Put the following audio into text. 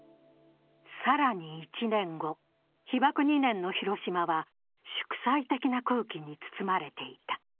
更に１年後、被爆２年の広島は祝祭的な空気に包まれていた。